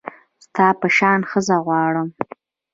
ستا په شان ښځه غواړم